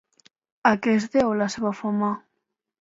A què es deu la seva fama?